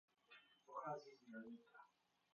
Pochází z Mělníka.